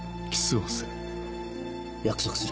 約束する。